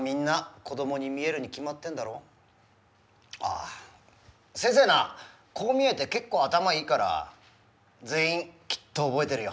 あ先生なこう見えて結構頭いいから全員きっと覚えてるよ。